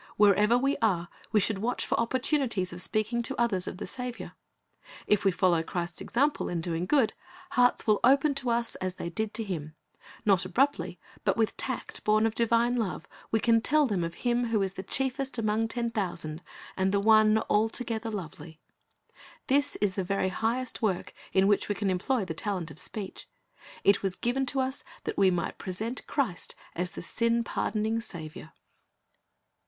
Wherever we are, we should watch for opportunities of speaking to others of the Saviour. If we follow Christ's example in doing good, hearts will open to us as they did to Him. Not abruptly, but with tact born of divine love, we can tell them of Him who is the "Chiefest among ten thousand," and the One "altogether lovely."^ This is the very highest work in which we can employ the talent of speech. It was given to us that we might present Christ as the sin pardoning Saviour.